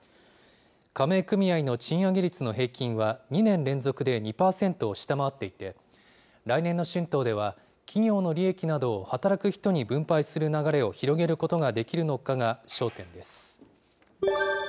加盟組合の賃上げ率の平均は、２年連続で２％を下回っていて、来年の春闘では、企業の利益などを働く人に分配する流れを広げることができるのかが焦点です。